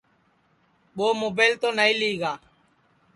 ٻو مُبیل تو نائی لی گا